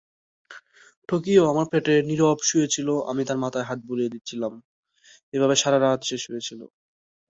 তিনি লা লিগার দল বার্সেলোনার হয়ে সেন্টার-ব্যাক হিসেবে খেলেন।